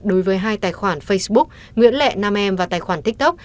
đối với hai tài khoản facebook nguyễn lệ nam em và tài khoản tiktok